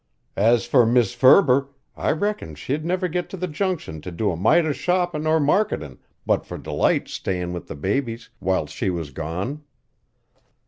As for Mis' Furber, I reckon she'd never get to the Junction to do a mite of shoppin' or marketin' but for Delight stayin' with the babies whilst she was gone.